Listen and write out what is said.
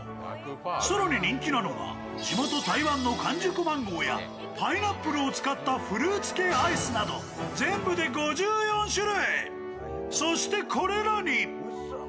更に人気なのは地元・台湾の完熟マンゴーやパイナップルを使ったフルーツ系アイスなど全部で５４種類。